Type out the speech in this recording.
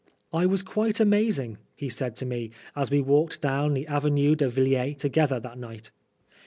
" I was quite amazing," he said to me, as we walked down the Avenue de Villiers together that night.